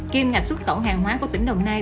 kim ngạch xuất khẩu hàng hóa của tỉnh đồng nai